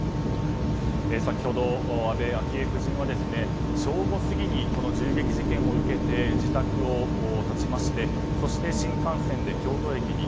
先ほど安倍昭恵夫人は正午過ぎに、銃撃事件を受けて自宅を発ちましてそして新幹線で京都駅に。